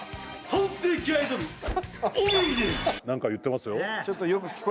何か言ってますよ。